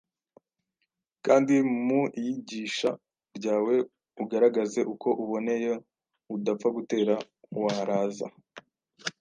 kandi mu iyigisha ryawe, ugaragaze uko uboneye, udapfa gutera waraza;